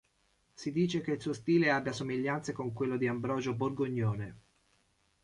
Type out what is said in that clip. Si dice che il suo stile abbia somiglianze con quello di Ambrogio Borgognone.